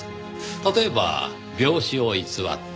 例えば病死を偽って。